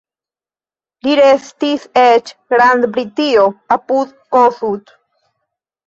Li restis eĉ Grand-Britio apud Kossuth.